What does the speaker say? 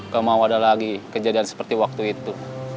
gak mau ada lagi kejadian seperti waktu itu